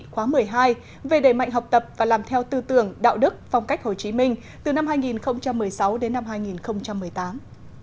khóa một mươi hai về đẩy mạnh học tập và làm theo tư tưởng đạo đức phong cách hồ chí minh từ năm hai nghìn một mươi sáu đến năm hai nghìn một mươi tám